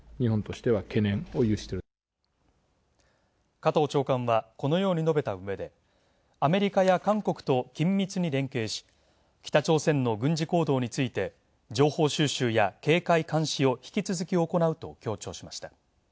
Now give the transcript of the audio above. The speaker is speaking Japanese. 加藤長官は、このように述べた上でアメリカや韓国と緊密に連携し、北朝鮮の軍事行動について情報収集や警戒監視を引き続き行うと強調しました。